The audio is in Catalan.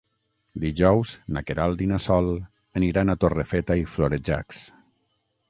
Dijous na Queralt i na Sol aniran a Torrefeta i Florejacs.